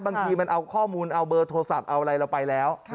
บางทีมันเอาข้อมูลเอาเบอร์โทรศัพท์เอาอะไรเราไปแล้ว